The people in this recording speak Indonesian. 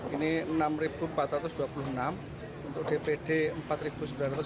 ini enam empat ratus dua puluh enam untuk kpu ri